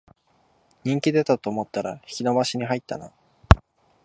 人気出たと思ったら引き延ばしに入ったな